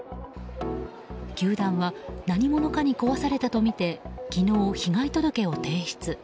球団は何者かに壊されたとみて昨日、被害届を提出。